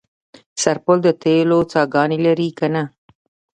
سرپل د تیلو څاګانې لري که نه؟